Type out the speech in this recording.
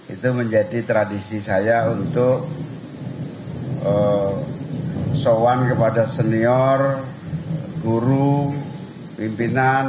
itu menjadi tradisi saya untuk sowan kepada senior guru pimpinan